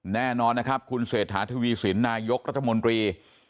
แน่นอนนะครับคุณเศรษฐาทวีสินนายกรัฐมนตรี